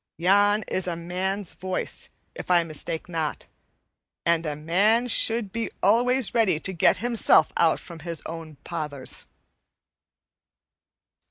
Yon is a man's voice, if I mistake not, and a man should be always ready to get himself out from his own pothers."